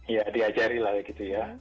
ya diajari lah gitu ya